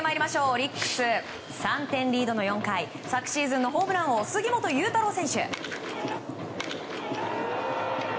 オリックス、３点リードの４回昨シーズンのホームラン王杉本裕太郎選手。